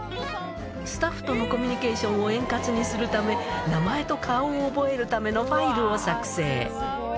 スタッフとのコミュニケーションを円滑にするため、名前と顔を覚えるためのファイルを作成。